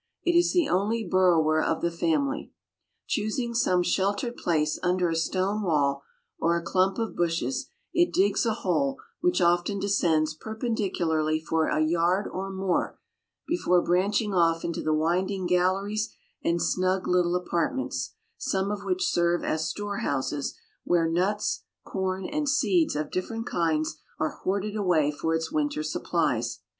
It is the only burrower of the family. Choosing some sheltered place under a stone wall or a clump of bushes, it digs a hole which often descends perpendicularly for a yard or more before branching off into the winding galleries and snug little apartments, some of which serve as store houses where nuts, corn, and seeds of different kinds are hoarded away for its winter supplies.